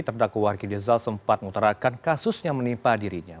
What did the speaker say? terdakwar gidezal sempat mengutarakan kasus yang menimpa dirinya